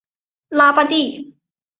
拉巴蒂。